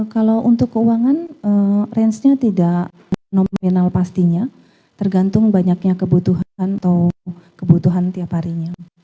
kalau untuk keuangan range nya tidak nominal pastinya tergantung banyaknya kebutuhan atau kebutuhan tiap harinya